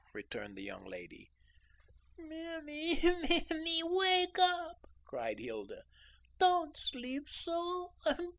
returned the young lady. "Mammy, mammy, wake up," cried Hilda. "Don't sleep so.